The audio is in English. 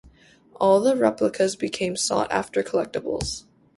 All of the replicas became sought-after collectibles.